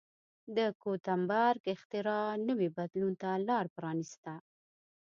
د ګوتنبرګ اختراع نوي بدلون ته لار پرانېسته.